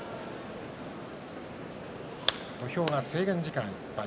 土俵は制限時間いっぱい。